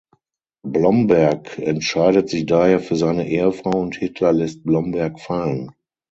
Blomberg entscheidet sich daher für seine Ehefrau und Hitler lässt Blomberg fallen.